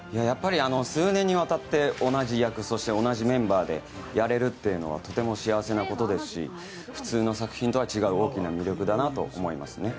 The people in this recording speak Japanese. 数年にわたって同じ役そして同じメンバーでやれるというのはとても幸せなことですし普通の作品とは違う大きな魅力だなと思いますね。